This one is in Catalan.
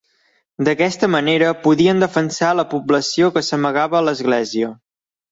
D'aquesta manera podien defensar a la població que s'amagava a l'església.